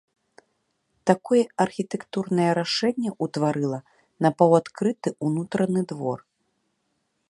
Такое архітэктурнае рашэнне ўтварыла напаўадкрыты ўнутраны двор.